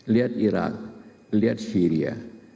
lihat irak lihat syria